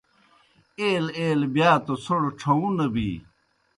ایلہ ایلہ بِیا توْ څھوْڑ ڇھہُوں نہ بی۔